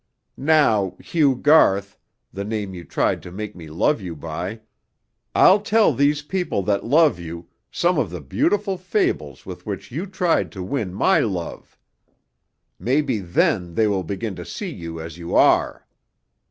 Now, Hugh Garth the name you tried to make me love you by I'll tell these people that love you, some of the beautiful fables with which you tried to win my love. Maybe, then, they will begin to see you as you are.